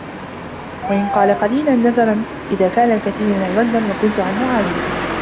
وَإِنْ كَانَ قَلِيلًا نَزْرًا إذَا كَانَ الْكَثِيرُ مَعُوزًا وَكُنْت عَنْهُ عَاجِزًا